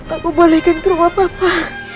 aku bolehkan ke rumah bapak